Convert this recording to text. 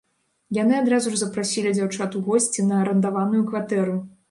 Яны адразу ж запрасілі дзяўчат у госці на арандаваную кватэру.